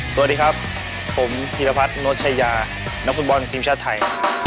สวัสดีครับผมพีรพัฒนชายานักฟุตบอลทีมชาติไทย